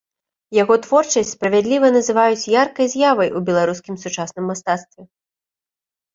Яго творчасць справядліва называюць яркай з'явай у беларускім сучасным мастацтве.